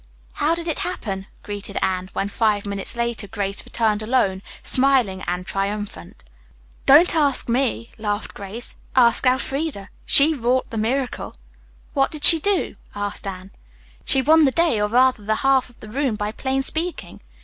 "How did it happen?" greeted Anne, when five minutes later Grace returned alone, smiling and triumphant. "Don't ask me," laughed Grace. "Ask Elfreda. She wrought the miracle." "What did she do?" asked Anne. "She won the day, or rather the half of the room, by plain speaking."